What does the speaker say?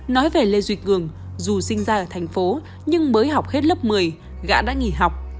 nói về lê duy cường dù sinh ra ở thành phố nhưng mới học hết lớp một mươi gã đã nghỉ học